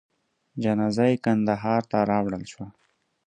جنازه یې کندهار ته راوړل شوه.